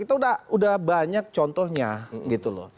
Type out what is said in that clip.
itu udah banyak contohnya gitu loh